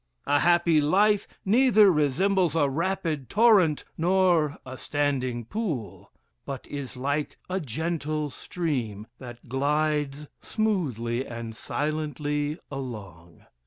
A happy life neither resembles a rapid torrent, nor a standing pool, but is like a gentle stream, that glides smoothly and silently along.